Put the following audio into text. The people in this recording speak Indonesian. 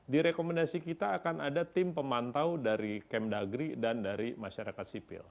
di rekomendasi kita akan ada tim pemantau dari kemdagri dan dari masyarakat sipil